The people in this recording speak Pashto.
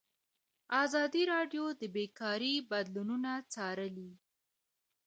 ازادي راډیو د بیکاري بدلونونه څارلي.